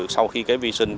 sau khi vi sinh